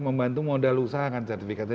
membantu modal usaha kan sertifikatnya